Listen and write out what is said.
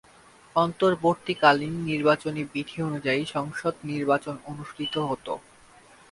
অন্তর্বর্তীকালীন নির্বাচনী বিধি অনুযায়ী সংসদ নির্বাচন অনুষ্ঠিত হত।